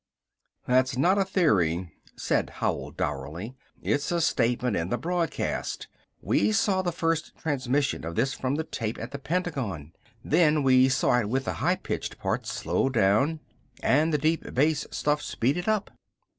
"That's not a theory," said Howell dourly. "It's a statement in the broadcast. We saw the first transmission of this from the tape at the Pentagon. Then we saw it with the high pitched parts slowed down and the deep bass stuff speeded up.